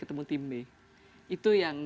ketemu tim b itu yang